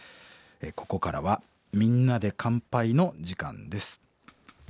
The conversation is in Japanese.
ここからは「みんなで乾杯」の時間です。